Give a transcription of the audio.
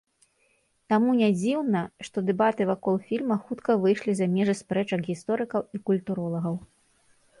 Таму нядзіўна, што дэбаты вакол фільма хутка выйшлі за межы спрэчак гісторыкаў і культуролагаў.